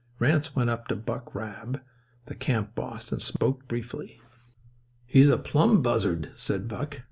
Ranse went up to Buck Rabb, the camp boss, and spoke briefly. "He's a plumb buzzard," said Buck.